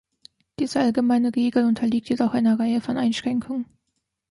Diese allgemeine Regel unterliegt jedoch einer Reihe von Einschränkungen.